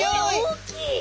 大きい！